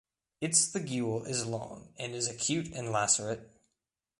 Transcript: Its ligule is long and is acute and lacerate.